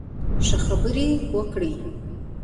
ښه، خبرې وکړئ